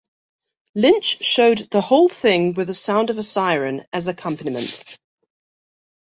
Lynch showed the whole thing with the sound of a siren as accompaniment.